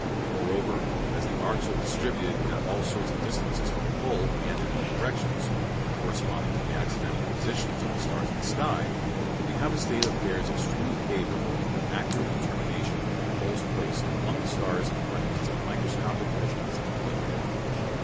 Moreover, as the arcs are distributed at all sorts of distances from the pole and in all directions, corresponding to the accidental positions of the stars on the sky, we have a state of affairs extremely favorable to the accurate determination of the pole's place among the stars by means of microscopic measurements of the plate.